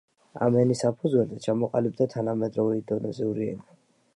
ამ ენის საფუძველზე ჩამოყალიბდა თანამედროვე ინდონეზიური ენა.